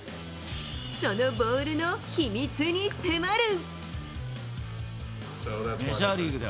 そのボールの秘密に迫る。